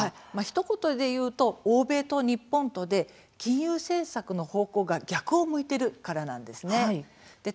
ひと言でいうと欧米と日本とで金融政策の方向が逆を向いているからなんですね。